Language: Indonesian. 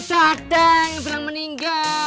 dadang yang kurang meninggal